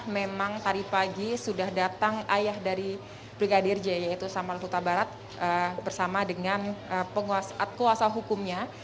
memang tadi pagi sudah datang ayah dari brigadir j yaitu samar huta barat bersama dengan kuasa hukumnya